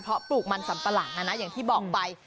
เพราะปลูกมันสัมปะหลังอย่างที่บอกไป